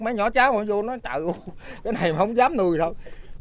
mấy nhỏ cháu mà vô nói trời ui cái này mà không dám nuôi thôi